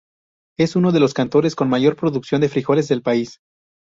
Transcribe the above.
Es uno de los cantones con mayor producción de frijoles del país.